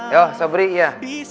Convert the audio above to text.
yuk sabri ya